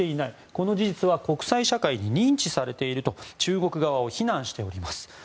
この事実は国際社会に認知されていると中国側を非難しております。